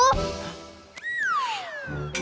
gak mau tau ayo